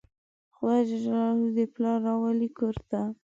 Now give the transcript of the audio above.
خدای ج دې پلار راولي کور ته